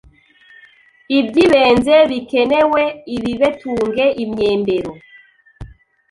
ibyibenze bikenewe: ibibetunge, imyembero,